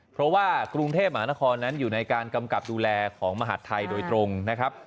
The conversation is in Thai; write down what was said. เพราะว่ากรุงเทพมหานครนั้นอยู่ในการกำกับดูแลของมหาดไทยโดยตรงนะครับ